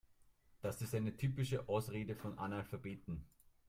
Das ist eine typische Ausrede von Analphabeten.